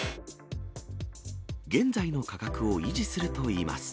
現在の価格を維持するといいます。